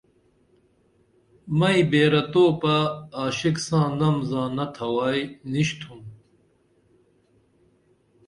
مئیں بیرہ توپہ عاشق ساں نم زانہ تھوائی نِشتُھم